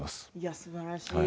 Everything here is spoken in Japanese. すばらしい。